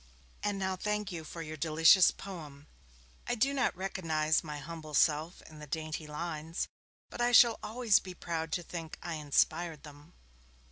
And now thank you for your delicious poem; I do not recognize my humble self in the dainty lines, but I shall always be proud to think I inspired them.